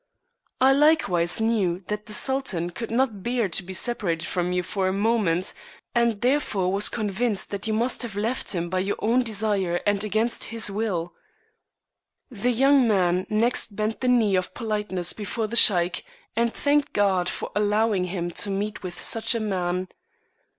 I likewise knew that the Sultan could not bear to be sep arated from you for a moment, and therefore was con vinced that you must have left him by your own desire and against his will." The young man next bent the knee of politeness before the Sheik, and thanked God for al lowing him to meet with such a man.